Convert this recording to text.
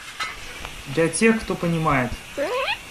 Для тех, кто понимает.